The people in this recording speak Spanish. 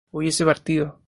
hubiese partido